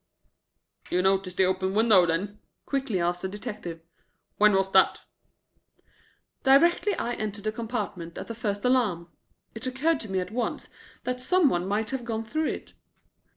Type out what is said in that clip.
"You noticed the open window, then?" quickly asked the detective. "When was that?" "Directly I entered the compartment at the first alarm. It occurred to me at once that some one might have gone through it."